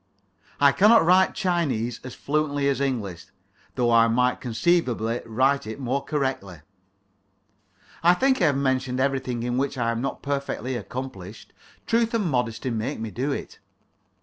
I cannot write Chinese as fluently as English, though I might conceivably write it more correctly. I think I have mentioned everything in which I am not perfectly accomplished. Truth and modesty make me do it.